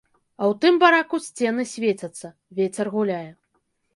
А ў тым бараку сцены свецяцца, вецер гуляе.